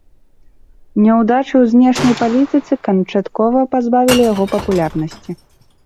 Няўдачы ў знешняй палітыцы канчаткова пазбавілі яго папулярнасці.